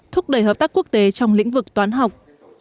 thúc đẩy hợp tác quốc tế trong lĩnh vực toán học